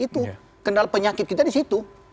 itu kendala penyakit kita di situ